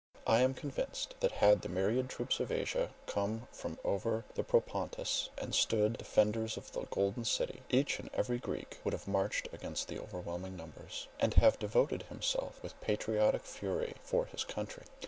I am convinced, that had the myriad troops of Asia come from over the Propontis, and stood defenders of the Golden City, each and every Greek would have marched against the overwhelming numbers, and have devoted himself with patriotic fury for his country.